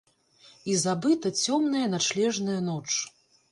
І забыта цёмная начлежная ноч.